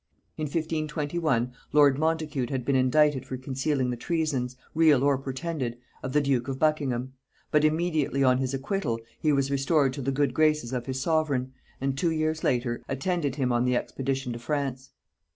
In 1521 lord Montacute had been indicted for concealing the treasons, real or pretended, of the duke of Buckingham; but immediately on his acquittal he was restored to the good graces of his sovereign, and, two years after, attended him on an expedition to France.